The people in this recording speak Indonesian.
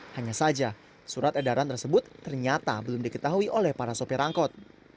hanya saja surat edaran tersebut ternyata belum diketahui oleh para sopir angkot